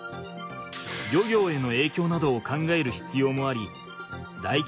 漁業への影響などを考えるひつようもありだいき